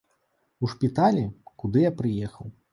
У шпіталі, куды я прыехаў.